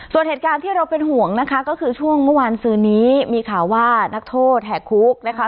ส่วนเหตุการณ์ที่เราเป็นห่วงนะคะก็คือช่วงเมื่อวานซืนนี้มีข่าวว่านักโทษแหกคุกนะคะ